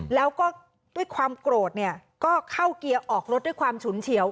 แล้วก็ด้วยความโกรธเนี่ยก็เข้าเกียร์ออกรถด้วยความฉุนเฉียว